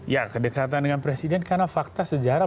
ya kedekatan dengan presiden karena fakta sejarah